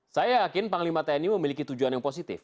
saya yakin panglima tni memiliki tujuan yang positif